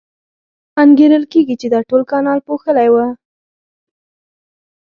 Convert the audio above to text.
انګېرل کېږي چې دا ټول کانال پوښلی و.